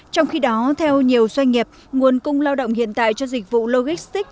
trong khi đó theo nhiều doanh nghiệp nguồn cung lao động hiện tại cho dịch vụ logistics